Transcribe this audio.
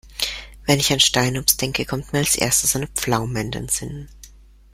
Wenn ich an Steinobst denke, kommt mir als Erstes eine Pflaume in den Sinn.